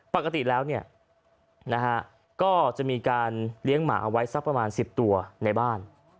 ปกติแล้วก็จะมีการเลี้ยงหมาเอาไว้สักประมาณ๑๐ตัวในบ้าน